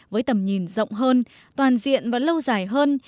với tầm nhìn rộng hơn toàn diện và lâu dài hơn